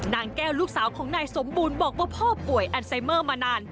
นางแก้วลูกสาวของนายสมบูรณ์บอกว่าพ่อป่วยอันไซเมอร์มานาน